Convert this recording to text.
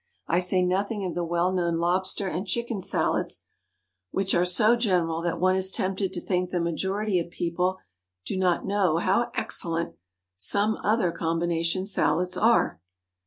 I say nothing of the well known lobster and chicken salads, which are so general that one is tempted to think the majority of people do not know how excellent some other combination salads are.